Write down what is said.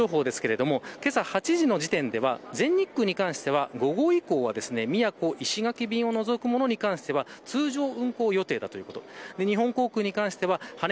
那覇空港に関して出発便に関しての運航情報ですがけさ８時の時点では全日空に関しては午後以降は宮古、石垣便を除くものに関して通常運航予定だということ。